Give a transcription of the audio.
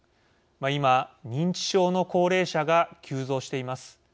今、認知症の高齢者が急増しています。